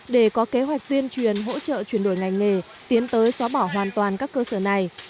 để có kế hoạch tuyên truyền hỗ trợ chuyển đổi ngành nghề tiến tới xóa bỏ hoàn toàn các cơ sở này